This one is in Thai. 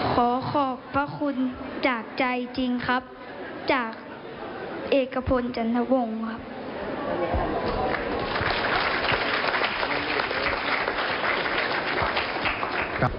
ขอขอบพระคุณจากใจจริงครับจากเอกพลจันทวงครับ